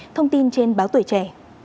thông tin trên báo tuổi trẻ